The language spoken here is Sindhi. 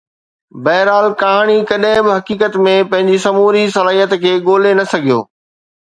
بهرحال ڪهاڻي ڪڏهن به حقيقت ۾ پنهنجي سموري صلاحيت کي ڳولي نه سگهيو